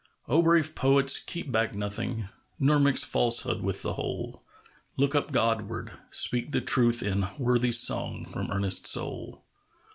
O brave poets, keep back nothing ; Nor mix falsehood with the whole ! Look up Godward! speak the truth in Worthy song from earnest soul